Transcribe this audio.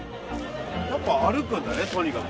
やっぱ歩くんだねとにかく。